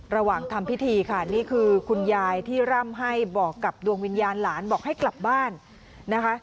ระหว่างทำพิธีค่ะนี่คือคุณยายที่ร่ำให้บอกกับดวงวิญญาณหลานบอกให้กลับบ้านนะคะ